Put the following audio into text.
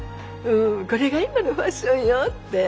これが今のファッションよって。